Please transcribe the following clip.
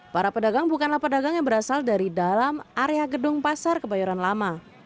para pedagang bukanlah pedagang yang berasal dari dalam area gedung pasar kebayoran lama